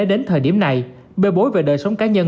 đến thời điểm này bê bối về đời sống cá nhân